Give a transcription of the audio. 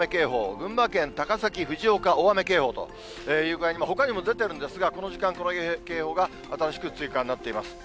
群馬県高崎、藤岡、大雨警報という具合にほかにも出てるんですが、この時間、こういう警報が新しく追加になっています。